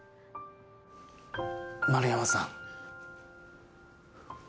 丸山さん。